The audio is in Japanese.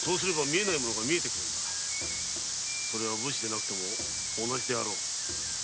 それは武士でなくとも同じであろう。